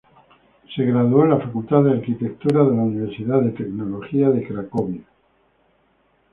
Se graduó en la Facultad de Arquitectura de la Universidad de Tecnología de Cracovia.